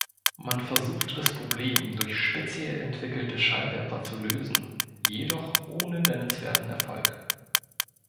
Man versuchte das Problem durch speziell entwickelte Schalldämpfer zu lösen, jedoch ohne nennenswerten Erfolg.